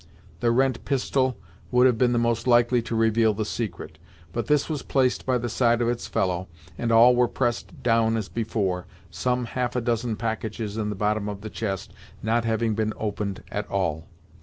The rent pistol would have been the most likely to reveal the secret, but this was placed by the side of its fellow, and all were pressed down as before, some half a dozen packages in the bottom of the chest not having been opened at all.